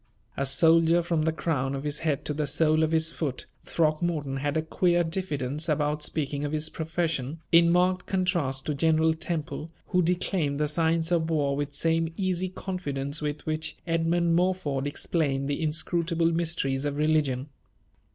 A soldier from the crown of his head to the sole of his foot, Throckmorton had a queer diffidence about speaking of his profession, in marked contrast to General Temple, who declaimed the science of war with same easy confidence with which Edmund Morford explained the inscrutable mysteries of religion.